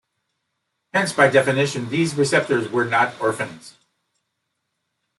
Hence by definition, these receptors were not orphans.